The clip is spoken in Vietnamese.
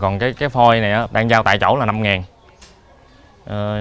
còn cái cái phôi này đang giao tại chỗ là năm nếu mà trừ chi phí thì một phôi là